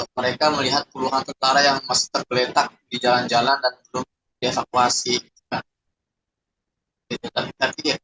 mereka melihat puluhan tentara yang masih tergeletak di jalan jalan dan belum dievakuasi